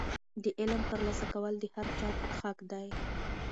د علم ترلاسه کول د هر چا حق دی.